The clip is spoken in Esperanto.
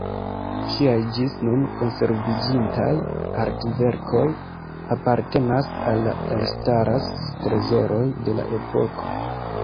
Ŝiaj ĝis nun konserviĝintaj artverkoj apartenas al la elstaraj trezoroj de la epoko.